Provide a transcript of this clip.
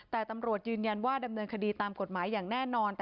แต่ตำรวจยืนยันว่าดำเนินคดีตามกฎหมายอย่างแน่นอน